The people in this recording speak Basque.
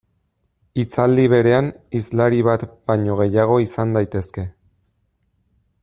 Hitzaldi berean hizlari bat baino gehiago izan daitezke.